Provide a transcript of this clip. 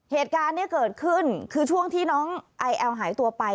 เหตุการณ์เนี่ยเกิดขึ้นคือช่วงที่น้องไอแอลหายตัวไป